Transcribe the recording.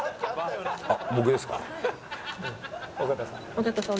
「尾形さん」。